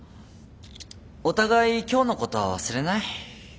お互い今日のことは忘れない？